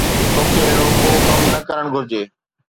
توکي اهڙو ڪو ڪم نه ڪرڻ گهرجي